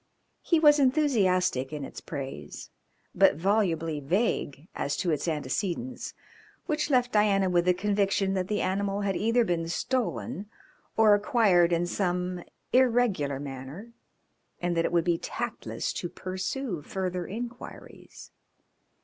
He was enthusiastic in its praise, but volubly vague as to its antecedents, which left Diana with the conviction that the animal had either been stolen or acquired in some irregular manner and that it would be tactless to pursue further inquiries.